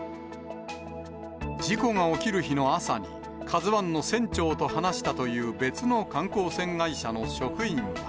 事故が起きる日の朝に、カズワンの船長と話したという、別の観光船会社の職員は。